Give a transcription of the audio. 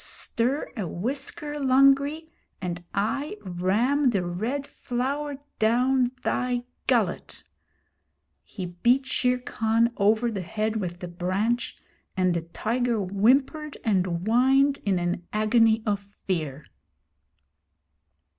Stir a whisker, Lungri, and I ram the Red Flower down thy gullet!' He beat Shere Khan over the head with the branch, and the tiger whimpered and whined in an agony of fear.